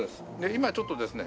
今ちょっとですね